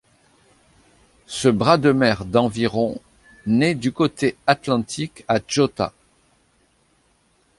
Ce bras de mer d'environ naît du côté atlantique à Tjøtta.